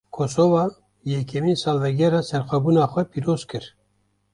Kosowa, yekemîn salvegera serxwebûna xwe pîroz kir